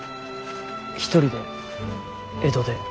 一人で江戸で。